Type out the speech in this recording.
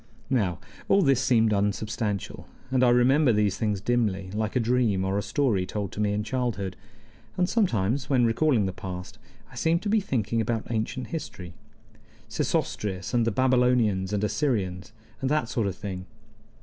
Now, all this seemed unsubstantial, and I remembered these things dimly, like a dream or a story told to me in childhood; and sometimes, when recalling the past, I seemed to be thinking about ancient history Sesostris, and the Babylonians and Assyrians, and that sort of thing.